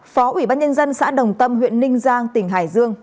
phó ủy ban nhân dân xã đồng tâm huyện ninh giang tỉnh hải dương